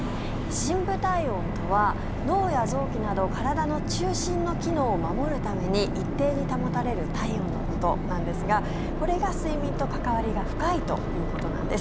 深部体温とは、脳や臓器など体の中心の機能を守るために一定に保たれる体温のことなんですがこれが睡眠と関わりが深いということなんです。